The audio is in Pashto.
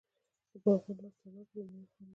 د باغوان لاس تڼاکې د میوې خوند دی.